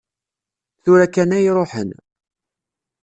Tura kan ay ruḥen.